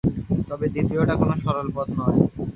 তবে, দ্বিতীয়টা কোন সরল পথ নয়।